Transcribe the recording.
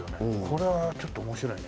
これはちょっと面白いね。